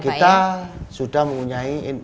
kita sudah mempunyai